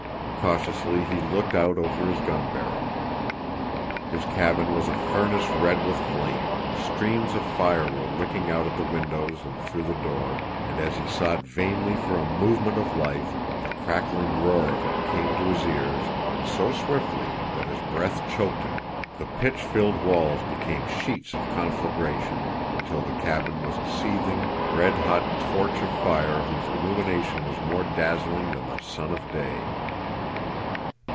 Cautiously he looked out over his gun barrel. His cabin was a furnace red with flame; streams of fire were licking out at the windows and through the door, and as he sought vainly for a movement of life, the crackling roar of it came to his ears, and so swiftly that his breath choked him, the pitch filled walls became sheets of conflagration, until the cabin was a seething, red hot torch of fire whose illumination was more dazzling than the sun of day.